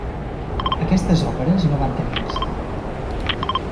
Aquestes òperes no van tenir èxit.